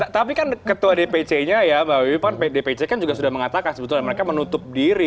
tapi kan ketua dpc nya ya mbak wiwi kan dpc kan juga sudah mengatakan sebetulnya mereka menutup diri